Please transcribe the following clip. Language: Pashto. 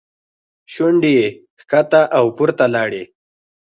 شونډې یې ښکته او پورته لاړې.